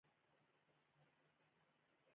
ازادي راډیو د اقتصاد د ستونزو رېښه بیان کړې.